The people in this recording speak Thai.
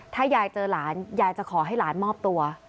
ถ้ายายเจอหลานยายจะขอให้หลานมอบตัว